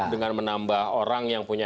dengan menambah orang yang punya